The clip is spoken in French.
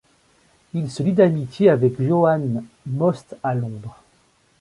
Il se lie d'amitié avec Johann Most à Londres.